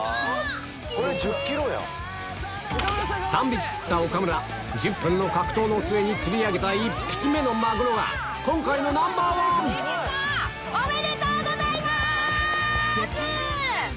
⁉これ１０ｋｇ⁉３匹釣った岡村１０分の格闘の末に釣り上げた１匹目のマグロが今回のナンバーワンおめでとうございます！